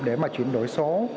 để mà chuyển đổi số